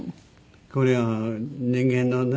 これは人間のね